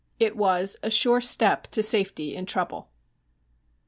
It was a sure step to safety in trouble.